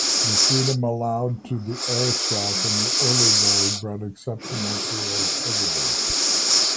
The freedom allowed to the airstaff in the early days bred exceptional creativity.